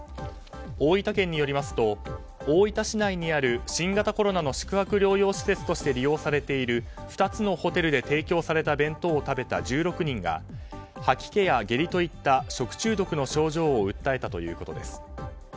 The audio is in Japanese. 大分県によりますと大分市内にある新型コロナの宿泊療養施設として利用されている２つのホテルで提供された弁当を食べた１６人が、吐き気や下痢といった食中毒の症状を訴えたということです。